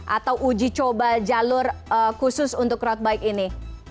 atau uji coba jalur khusus untuk road bike ini